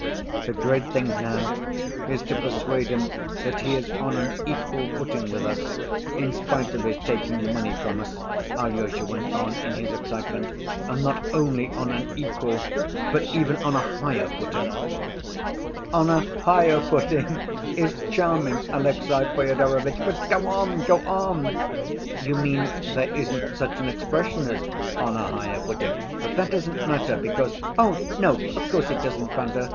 "The great thing now is to persuade him that he is on an equal footing with us, in spite of his taking money from us," Alyosha went on in his excitement, "and not only on an equal, but even on a higher footing." " 'On a higher footing' is charming, Alexey Fyodorovitch; but go on, go on!" "You mean there isn't such an expression as 'on a higher footing'; but that doesn't matter because—" "Oh, no, of course it doesn't matter.